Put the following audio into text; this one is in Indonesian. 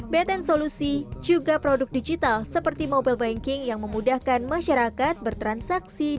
btn solusi juga produk digital seperti mobile banking yang memudahkan masyarakat bertransaksi